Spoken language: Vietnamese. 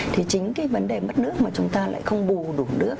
thì chính cái vấn đề mất nước mà chúng ta lại không bù đủ nước